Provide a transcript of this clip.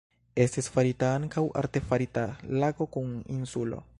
Estis farita ankaŭ artefarita lago kun insulo.